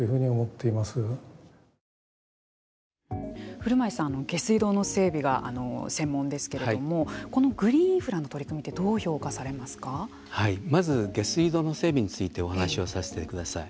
古米さん、下水道の整備が専門ですけれどもこのグリーンインフラの取り組みってまず、下水道の整備についてお話しさせてください。